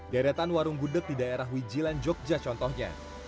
deretan warung gudeg di daerah wijilan jogja contohnya